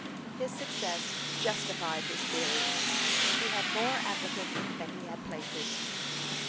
His success justified his theory. He had more applicants than he had places.